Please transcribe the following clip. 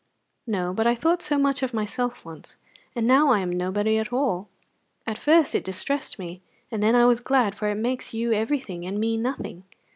"No, but I thought so much of myself once, and now I am nobody at all. At first it distressed me, and then I was glad, for it makes you everything and me nothing.